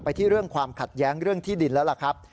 ที่เรื่องความขัดแย้งเรื่องที่ดินแล้วล่ะครับ